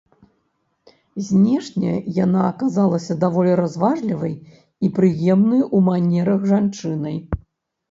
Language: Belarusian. Знешне яна аказалася даволі разважлівай і прыемнай у манерах жанчынай.